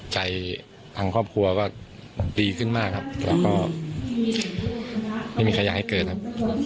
ทางครอบครัวก็ดีขึ้นมากครับแล้วก็ไม่มีใครอยากให้เกิดครับ